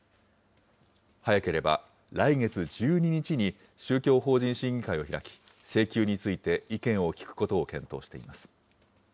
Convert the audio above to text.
早ければ来月１２日に宗教法人審議会を開き、請求について意見を聴くことを検討しています。